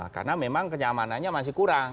karena memang kenyamanannya masih kurang